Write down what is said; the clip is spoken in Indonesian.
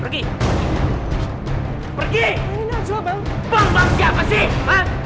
ga usah ikut campur masalah orang lain